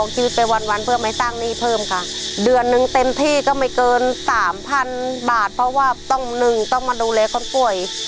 เดือนนึงเต็มที่ก็ไม่เกินสามพันบาทเพราะว่าต้องหนึ่งต้องมาดูแลของป่วย